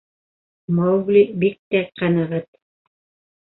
Маугли бик тә ҡәнәғәт.